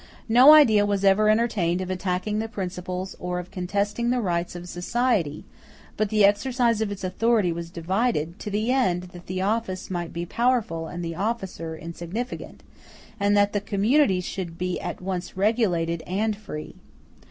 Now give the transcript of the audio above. No idea was ever entertained of attacking the principles or of contesting the rights of society; but the exercise of its authority was divided, to the end that the office might be powerful and the officer insignificant, and that the community should be at once regulated and free.